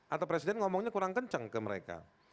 atau presiden ngomongnya kurang kencang ke mereka